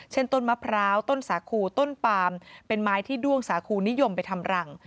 ต้นมะพร้าวต้นสาคูต้นปามเป็นไม้ที่ด้วงสาคูนิยมไปทำรัง